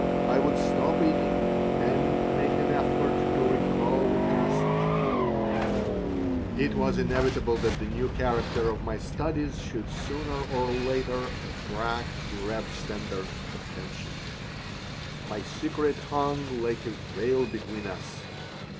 I would stop eating and make an effort to recall the passage It was inevitable that the new character of my studies should sooner or later attract Reb Sender's attention. My secret hung like a veil between us.